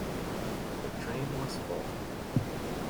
The train was full.